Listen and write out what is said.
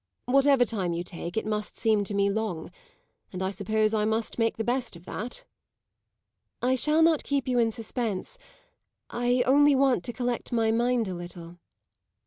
"Whatever time you take, it must seem to me long, and I suppose I must make the best of that." "I shall not keep you in suspense; I only want to collect my mind a little."